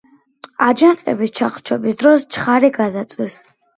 აჯანყების ჩახშობის დროს ჩხარი გადაწვეს.